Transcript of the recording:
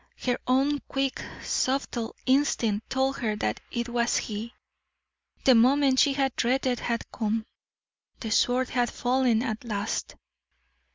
Her own quick, subtle instinct told her that it was he. The moment she had dreaded had come the sword had fallen at last.